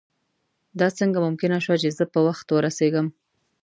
دا څنګه ممکنه شوه چې زه په وخت ورسېږم.